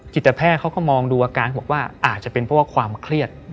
จิตแพทย์เขาก็มองดูอาการบอกว่าอาจจะเป็นเพราะว่าความเครียด